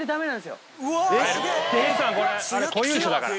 あれ固有種だから。